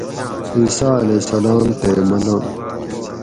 عیسٰی علیہ السلام تے ملنگ